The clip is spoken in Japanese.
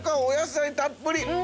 お野菜たっぷり！